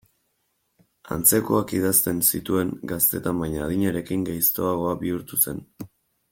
Antzekoak idazten zituen gaztetan baina adinarekin gaiztoago bihurtu zen.